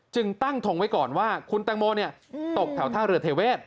จึงตั้งทงไว้ก่อนว่าคุณแตงโมตกแถวท่าเรือเทเวศ